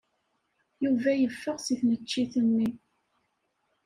Yuba yeffeɣ seg tneččit-nni.